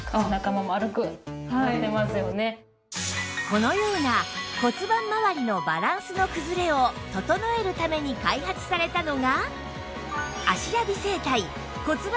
このような骨盤まわりのバランスの崩れを整えるために開発されたのが